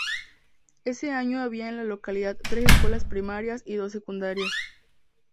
Ese año había en la localidad tres escuelas primarias y dos secundarias.